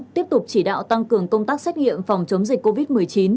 tiếp tục chỉ đạo tăng cường công tác xét nghiệm phòng chống dịch covid một mươi chín